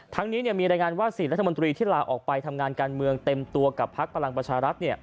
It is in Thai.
นี้มีรายงานว่า๔รัฐมนตรีที่ลาออกไปทำงานการเมืองเต็มตัวกับพักพลังประชารัฐ